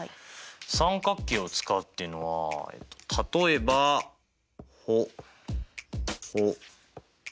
三角形を使うっていうのは例えばほっほっほっほっ。